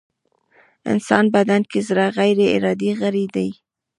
انسان بدن کې زړه غيري ارادې غړی دی.